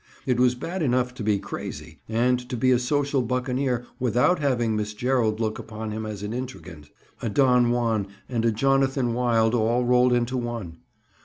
It was bad enough to be crazy, and to be a social buccaneer, without having Miss Gerald look upon him as an intrigant, a Don Juan and a Jonathan Wild all rolled into one.